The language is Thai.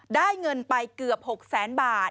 ได้เงินไปเกือบ๖แสนบาท